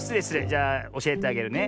じゃあおしえてあげるね。